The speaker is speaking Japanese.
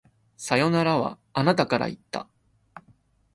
さよならは、あなたから言った。